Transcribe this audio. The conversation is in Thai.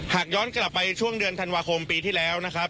หากย้อนกลับไปช่วงเดือนธันวาคมปีที่แล้วนะครับ